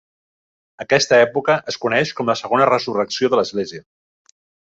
Aquesta època es coneix com la "segona resurrecció" de l'església.